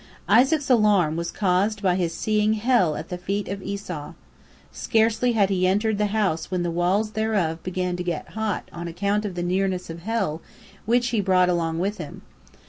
Isaac's alarm was caused by his seeing hell at the feet of Esau. Scarcely had he entered the house when the walls thereof began to get hot on account of the nearness of hell, which he brought along with him.